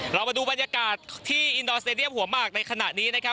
เรามาดูบรรยากาศที่อินดอร์สเตดียมหัวหมากในขณะนี้นะครับ